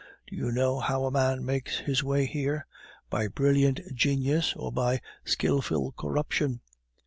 Do you know how a man makes his way here? By brilliant genius or by skilful corruption.